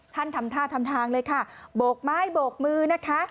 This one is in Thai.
ทำท่าทำทางเลยค่ะโบกไม้โบกมือนะคะ